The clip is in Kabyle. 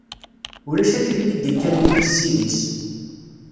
Ulac akli i d-ikkan nnig ssid-is.